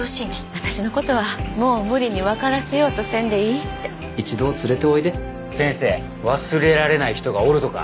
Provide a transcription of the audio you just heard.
私のことはもう無理にわからせようとせんでいいって一度連れておいで先生忘れられない人がおるとか？